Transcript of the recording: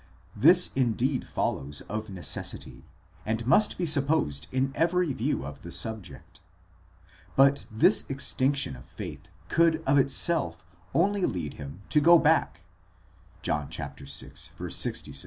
This indeed follows of necessity, and must be supposed in every view of the subject ; but this extinction of faith could of itself only lead him to go back, ἀπελθεῖν εἰς τὰ ὀπίσω (John vi.